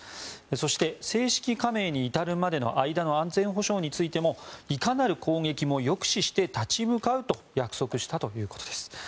そして、正式加盟に至るまでの安全保障についてもいかなる攻撃も抑止して立ち向かうと約束したということです。